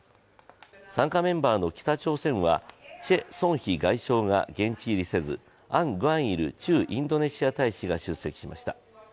参加メンバーの北朝鮮はチェ・ソンヒ外相が現地入りせずアン・グァン・イル駐インドネシア大使が出席しました。